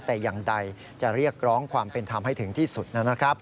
แต่อย่างใดจะเรียกร้องความเป็นธรรมให้ถึงที่สุดนะครับ